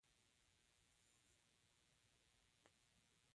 هر مؤمن د بل مؤمن هنداره ده.